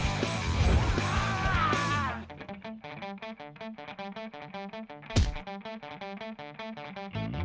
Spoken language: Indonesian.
lelaki yang barusan